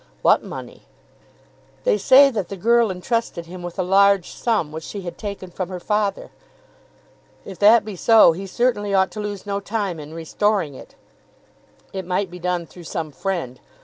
"What money?" "They say that the girl entrusted him with a large sum which she had taken from her father. If that be so he certainly ought to lose no time in restoring it. It might be done through some friend.